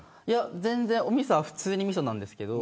全然、おみそは普通に、みそなんですけど。